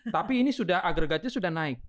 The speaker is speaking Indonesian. tapi ini sudah agregatnya sudah naik